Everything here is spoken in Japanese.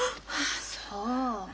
そう。